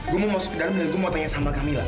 gue mau masuk ke dalam dan gue mau tanya sama kami lah